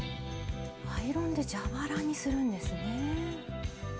アイロンで蛇腹にするんですね。